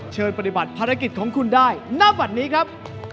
เชิญปฏิบัติภารกิจของคุณได้หน้าบัตรนี้ครับ